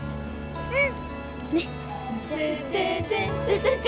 うん！